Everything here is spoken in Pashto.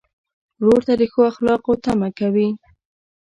ورور ته د ښو اخلاقو تمه کوې.